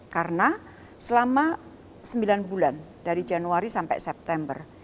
karena selama sembilan bulan dari januari sampai september